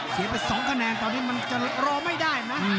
ไป๒คะแนนตอนนี้มันจะรอไม่ได้นะ